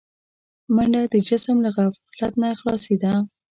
منډه د جسم له غفلت نه خلاصي ده